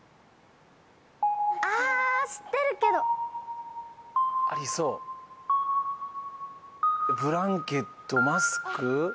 あ知ってるけどありそうブランケットマスク？